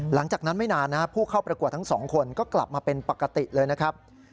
หลังจากนั้นไม่นานผู้เข้าประกวดทั้งสองคนก็กลับมาเป็นปกติเลยนะครับ